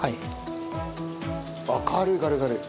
あっ軽い軽い軽い。